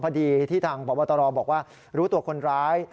พอดีที่ทางพบตรบอกว่ารู้ตัวคนร้าย